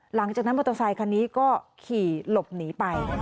หลังจากนั้นมอเตอร์ไซค์คันนี้ก็ขี่หลบหนีไป